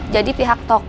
jadi pihak toko menolak